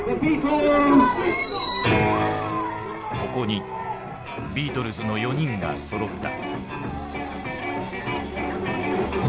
ここにビートルズの４人がそろった。